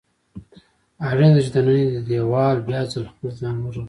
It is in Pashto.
اړینه ده چې دننی دېوال بیا ځل خپل ځان ورغوي.